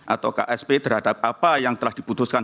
atau ksp terhadap apa yang telah diputuskan